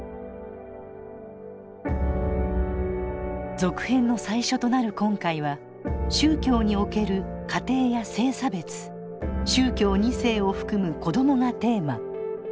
続編の最初となる今回は宗教における家庭や性差別宗教２世を含む子どもがテーマ。